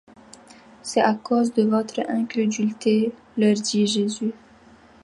C'est à cause de votre incrédulité, leur dit Jésus.